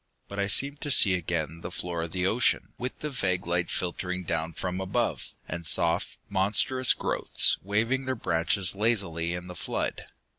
But I seemed to see again the floor of the ocean, with the vague light filtering down from above, and soft, monstrous growths waving their branches lazily in the flood.